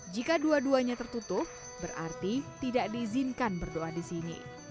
jika dua duanya tertutup berarti tidak diizinkan berdoa di sini